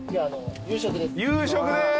夕食です！